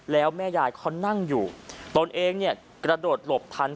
แล้วแม่ยายเขานั่งอยู่ตนเองเนี่ยกระโดดหลบทัน